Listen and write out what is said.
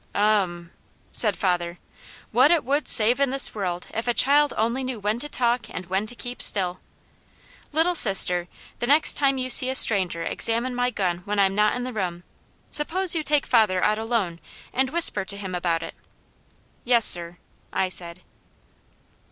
"Ummmm!" said father. "What it would save in this world if a child only knew when to talk and when to keep still. Little Sister, the next time you see a stranger examine my gun when I'm not in the room, suppose you take father out alone and whisper to him about it." "Yes, sir," I said.